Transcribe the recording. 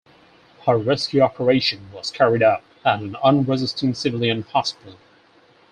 Her rescue operation was carried out at an unresisting civilian hospital.